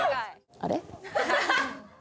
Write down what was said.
あれ？